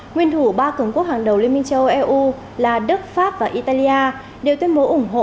nguyên thủ ba cường quốc hàng đầu liên minh châu âu eu là đức pháp và italia đều tuyên bố ủng hộ